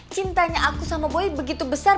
cintanya aku sama boy begitu besar